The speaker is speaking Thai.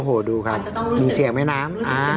อ้โหหดูครับมันจะต้องรู้สึก